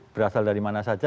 berasal dari mana saja